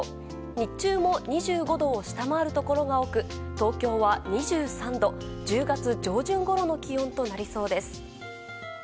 日中も２５度を下回るところが多く東京は２３度、１０月上旬ごろの気温となりそうです。